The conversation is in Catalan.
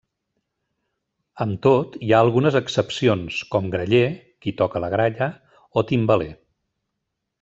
Amb tot hi ha algunes excepcions com graller -qui toca la gralla- o timbaler.